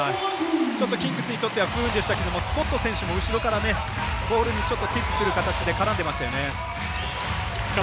ちょっとキングスにとっては不運でしたがスコット選手も後ろからボールにティップする形で絡んでましたよね。